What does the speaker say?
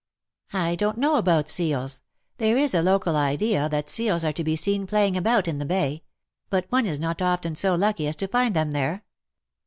" I don^t know about seals — there is a local idea that seals are to be seen playing about iu the bay ; but one is not often so lucky as to find them there.